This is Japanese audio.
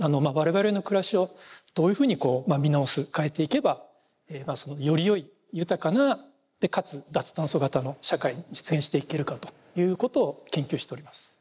我々の暮らしをどういうふうにこう見直す変えていけばよりよい豊かなでかつ脱炭素型の社会実現していけるかということを研究しております。